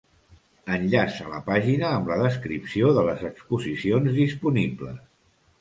Enllaç a la pàgina amb la descripció de les exposicions disponibles.